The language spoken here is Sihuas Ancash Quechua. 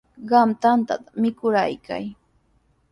Qam tantata mikurqayki.